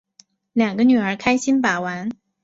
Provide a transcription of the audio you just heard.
两个女儿开心把玩